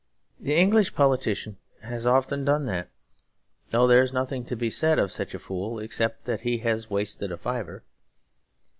The English politician has often done that; though there is nothing to be said of such a fool, except that he has wasted a fiver.